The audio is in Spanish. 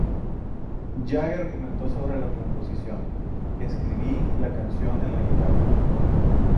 Jagger comentó sobre la composición: "Escribí la canción en la guitarra.